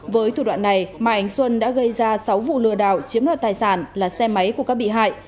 với thủ đoạn này mai anh xuân đã gây ra sáu vụ lừa đảo chiếm đoạt tài sản là xe máy của các bị hại